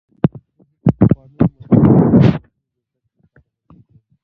زه د پخوانیو متلونو او حکمتونو د زدهکړې لپاره هڅه کوم.